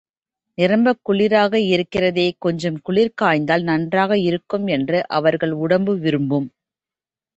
நிரம்பக் குளிராக இருக்கிறதே கொஞ்சம் குளிர் காய்ந்தால் நன்றாக இருக்கும் என்று அவர்கள் உடம்பு விரும்பும்.